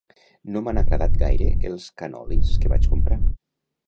No m'han agradat gaire els canolis que vaig comprar